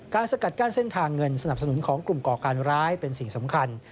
สกัดกั้นเส้นทางเงินสนับสนุนของกลุ่มก่อการร้ายเป็นสิ่งสำคัญ